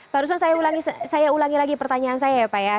pak ruslan saya ulangi lagi pertanyaan saya ya pak ya